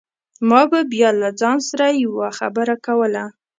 ما به بيا له ځان سره يوه خبره کوله.